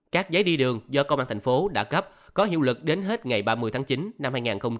các giấy đi đường do công an thành phố đã cấp có hiệu lực đến hết ngày ba mươi tháng chín năm hai nghìn hai mươi